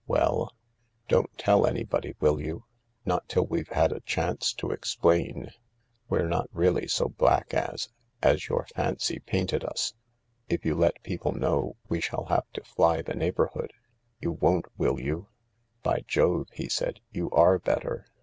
"Well? ..." "Don't tell anybody, will you ? Not till we've had a chance to explain. We're not really so black as — as your fancy painted us. If you let people know, we shall have to fly the neighbourhood. You won't, will you ?" "By Jove," he said, "you are better?"